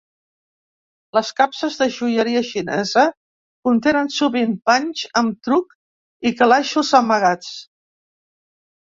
Les capses de joieria xinesa contenen sovint panys amb truc i calaixos amagats.